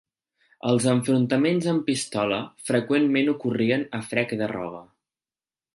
Els enfrontaments amb pistola freqüentment ocorrien a frec de roba.